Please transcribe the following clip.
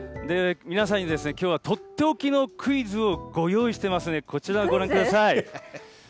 皆さんに、きょうは取って置きのクイズをご用意していますので、こちらご覧ください。